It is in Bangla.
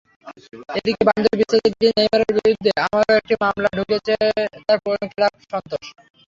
এদিকে, বান্ধবী-বিচ্ছেদের দিনই নেইমারের বিরুদ্ধে আরও একটি মামলা ঠুকেছে তাঁর পুরোনো ক্লাব সান্তোস।